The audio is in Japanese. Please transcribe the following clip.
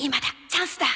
チャンスだ！